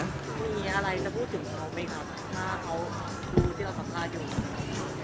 มีอะไรจะพูดถึงเขาไหมครับถ้าเขาดูที่เราสัมภาษณ์อยู่